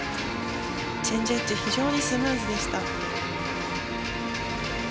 チェンジエッジも非常にスムーズでした。